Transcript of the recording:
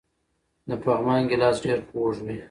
د پغمان ګیلاس ډیر خوږ وي.